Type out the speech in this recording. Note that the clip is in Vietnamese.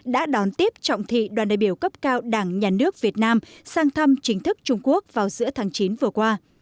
đã đón tiếp trọng thị đoàn đại biểu cấp cao đảng nhà nước việt nam sang thăm chính thức trung quốc vào giữa tháng chín vừa qua